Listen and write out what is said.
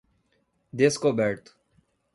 Descoberto